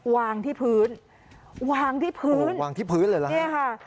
วางที่พื้นวางที่พื้นวางที่พื้นเลยเหรอฮะเนี่ยค่ะ